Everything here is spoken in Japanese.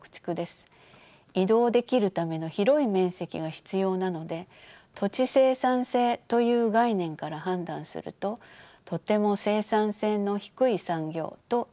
移動できるための広い面積が必要なので土地生産性という概念から判断するととても生産性の低い産業と言わざるをえません。